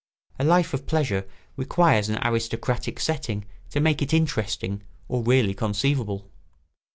A life of pleasure requires an aristocratic setting to make it interesting or really conceivable.